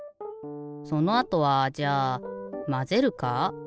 そのあとはじゃあまぜるか？